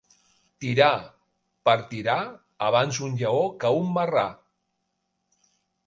Tirà per tirà, abans un lleó que un marrà.